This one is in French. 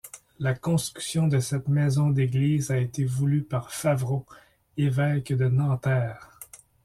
La construction de cette maison d'Église a été voulue par Favreau, évêque de Nanterre.